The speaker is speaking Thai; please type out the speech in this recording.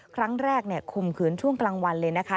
ครั้งแรกข่มขืนช่วงกลางวันเลยนะคะ